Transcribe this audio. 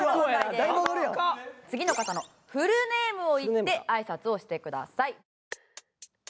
次の方のフルネームを言ってあいさつをしてください。